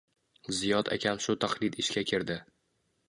Ziyod akam shu taxlit ishga kirdi